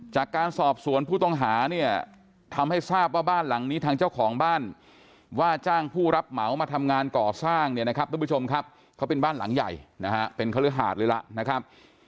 จากการสอบสวนผู้ต้องหาเนี่ยทำให้ทราบว่าบ้านหลังนี้ทางเจ้าของบ้านว่าจ้างผู้รับเหมามาทำงานก่อสร้างเนี่ยนะครับทุกผู้ชมครับเขาเป็นบ้านหลังใหญ่นะฮะเป็นคฤหาดเลยล่ะนะครับ